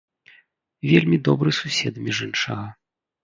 Вельмі добры сусед, між іншага.